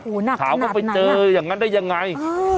หนักขนาดไหนน่ะอ๋อน่ะขาวเข้าไปเจออย่างนั้นได้อย่างไร